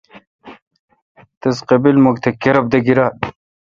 تس قبیمکھ تہ کرب دہ گیرال۔